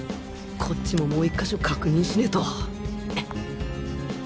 こっちももう１か所確認しねぇと。